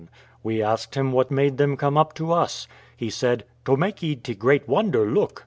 We asked him what made them come up to us? He said, "To makee te great wonder look."